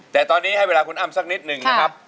แต่ตอนนี้ให้เวลาคุณอ้ำสักนิดหนึ่งนะครับ